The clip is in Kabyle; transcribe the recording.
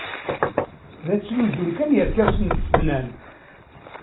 Da ttnuzun kan yerkasen n tsednan.